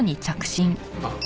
あっ。